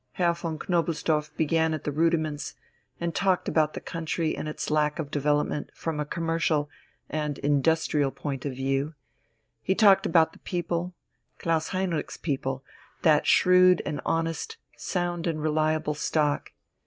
Herr von Knobelsdorff began at the rudiments, and talked about the country and its lack of development from a commercial and industrial point of view: he talked about the people, Klaus Heinrich's people, that shrewd and honest, sound and reliable stock.